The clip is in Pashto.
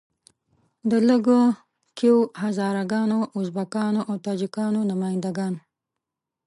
د لږه کیو هزاره ګانو، ازبکانو او تاجیکانو نماینده ګان.